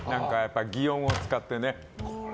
擬音を使ってね。